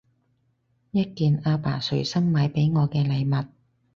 一件阿爸隨心買畀我嘅禮物